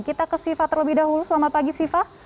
kita ke siva terlebih dahulu selamat pagi siva